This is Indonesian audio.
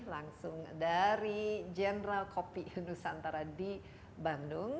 langsung dari general kopi nusantara di bandung